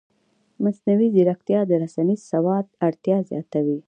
مصنوعي ځیرکتیا د رسنیز سواد اړتیا زیاتوي.